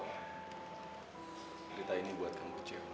berita ini buat kamu kecewa